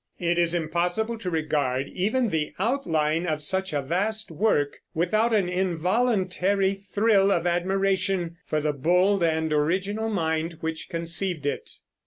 It is impossible to regard even the outline of such a vast work without an involuntary thrill of admiration for the bold and original mind which conceived it.